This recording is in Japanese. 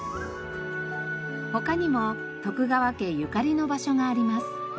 他にも徳川家ゆかりの場所があります。